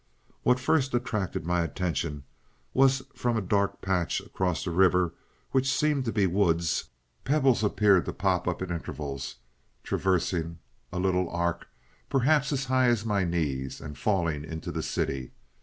"What first attracted my attention was that from a dark patch across the river which seemed to be woods, pebbles appeared to pop up at intervals, traversing a little arc perhaps as high as my knees, and falling into the city.